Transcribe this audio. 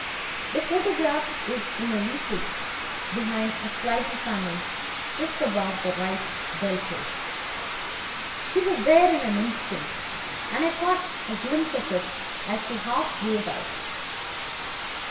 The photograph is in a recess behind a sliding panel just above the right bell pull. She was there in an instant, and I caught a glimpse of it as she drew it out.